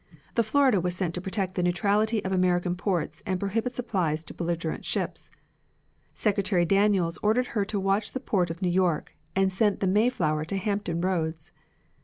The Florida was sent to protect the neutrality of American ports and prohibit supplies to belligerent ships. Secretary Daniels ordered her to watch the port of New York and sent the Mayflower to Hampton Roads.